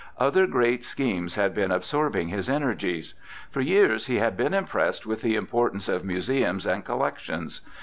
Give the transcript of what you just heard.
Other great schemes had been absorbing his energies. For years he had been impressed with the importance of museums and collec tions.